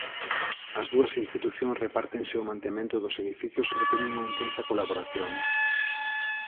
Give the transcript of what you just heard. As dúas institucións repártense o mantemento dos edificios e teñen unha intensa colaboración.